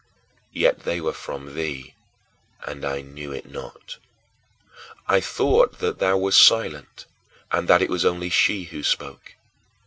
Yet they were from thee, and I knew it not. I thought that thou wast silent and that it was only she who spoke.